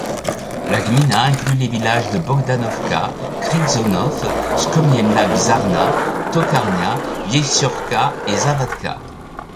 La gmina inclut les villages de Bogdanówka, Krzczonów, Skomielna Czarna, Tokarnia, Więciórka et Zawadka.